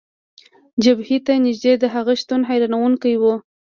جبهې ته نژدې د هغه شتون، حیرانونکی و.